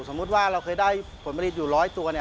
สมมุติว่าเราเคยได้ผลผลิตอยู่๑๐๐ตัว